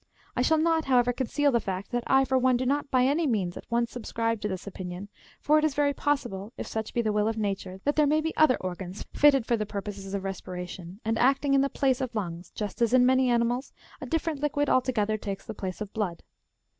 I shall not, however, conceal the fact, that I for one do not by any means at once subscribe to this opinion, for it is very possible, if such be the will of Xature, that there may be other organs'^ fitted for the purposes of respiration, and acting in the place of lungs ; just as in many animals a difierent liquid altogether takes the place of blood.